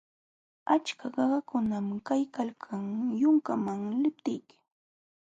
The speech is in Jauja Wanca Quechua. Achka qaqakunam kaykalkan yunkaman liptiyki.